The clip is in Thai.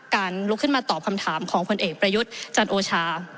ลุกขึ้นมาตอบคำถามของผลเอกประยุทธ์จันโอชา